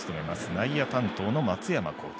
内野担当の松山コーチ。